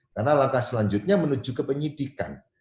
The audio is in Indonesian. karena langkah selanjutnya menuju ke penyidikan